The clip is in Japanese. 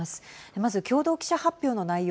まず共同記者発表の内容